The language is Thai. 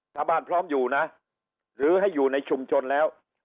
ถ้าบ้านพร้อมอยู่นะหรือให้อยู่ในชุมชนแล้ว